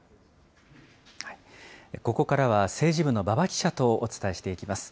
ここからは政治部の馬場記者とお伝えしていきます。